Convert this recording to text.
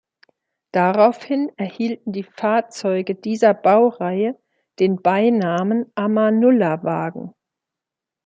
Daraufhin erhielten die Fahrzeuge dieser Baureihe den Beinamen „Amanullah-Wagen“.